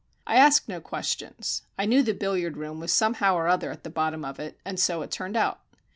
I asked no questions. I knew the billiard room was somehow or other at the bottom of it, and so it turned out.